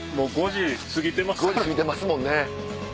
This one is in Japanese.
５時過ぎてますもんね。